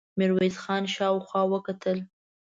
ميرويس خان شاوخوا وکتل.